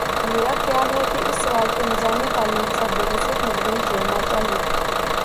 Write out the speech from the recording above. میرا خیال ہے کہ اس سوال کو نظام تعلیم کے ساتھ بحیثیت مجموعی جوڑنا چاہیے۔